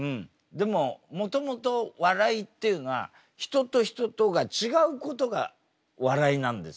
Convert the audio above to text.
でももともと笑いっていうのは人と人とがちがうことが笑いなんです。